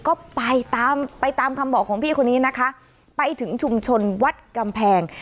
ก็ไปตามไปตามคำบอกของพี่คนนี้นะคะไปถึงชุมชนวัดกำแพง